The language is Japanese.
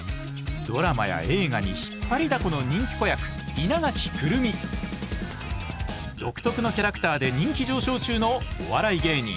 ドラマや映画にひっぱりだこの人気子役稲垣来泉独特のキャラクターで人気上昇中のお笑い芸人